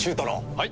はい。